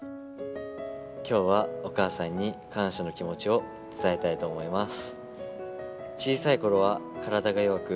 今日はお母さんに感謝の気持ちを伝えたいと思います。